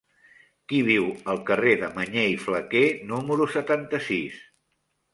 Qui viu al carrer de Mañé i Flaquer número setanta-sis?